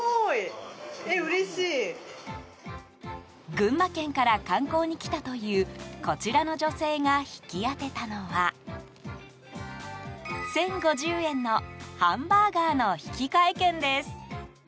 群馬県から観光に来たというこちらの女性が引き当てたのは１０５０円のハンバーガーの引換券です。